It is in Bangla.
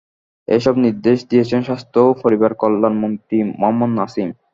এসব নির্দেশ দিয়েছেন স্বাস্থ্য ও পরিবারকল্যাণমন্ত্রী মোহাম্মদ নাসিম।